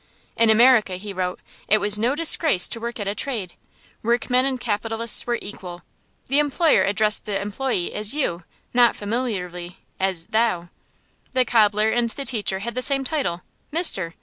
In America, he wrote, it was no disgrace to work at a trade. Workmen and capitalists were equal. The employer addressed the employee as you, not, familiarly, as thou. The cobbler and the teacher had the same title, "Mister."